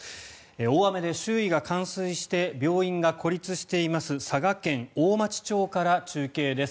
大雨で周囲が冠水して病院が孤立しています佐賀県大町町から中継です。